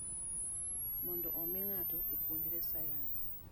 Mondo omi ng'ato opuonjre sayan